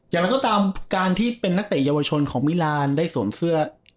อย่างไรก็ตามการที่เป็นนักเตะเยาวชนของมิลานได้สวมเสื้อ